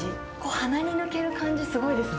鼻に抜ける感じ、すごいですね。